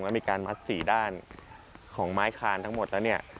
แล้วมีการมัดสี่ด้านของไม้คานทั้งหมดแล้วเนี่ย